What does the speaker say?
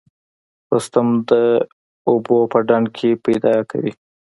رستم د اوبو په ډنډ کې پیدا کوي.